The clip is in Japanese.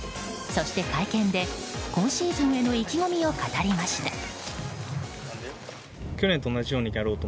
そして会見で、今シーズンへの意気込みを語りました。